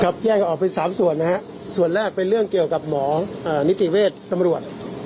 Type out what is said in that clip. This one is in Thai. แยกกันออกไป๓ส่วนนะฮะส่วนแรกเป็นเรื่องเกี่ยวกับหมอนิติเวชตำรวจ